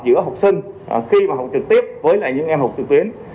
giữa học sinh khi học trực tuyến với những em học trực tuyến